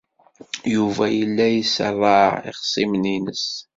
Yuba yella iṣerreɛ ixṣimen-nnes.